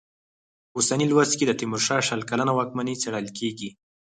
په اوسني لوست کې د تېمورشاه شل کلنه واکمني څېړل کېږي.